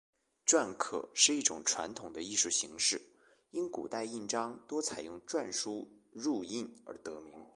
篆刻是一种传统的艺术形式，因古代印章多采用篆书入印而得名。